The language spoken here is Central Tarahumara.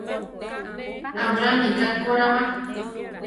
Abrani ká ko ra ba.